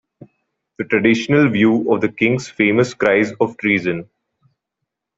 The traditional view of the king's famous cries of Treason!